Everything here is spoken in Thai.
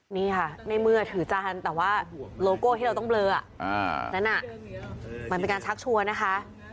นี่ค่ะในเมื่อถือจานแต่ว่าโลโก้ที่เราต้องเบลอนั้นมันเป็นการชักชวนนะคะ